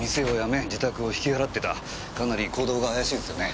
かなり行動が怪しいですよね。